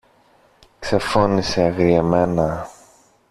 ξεφώνισε αγριεμένα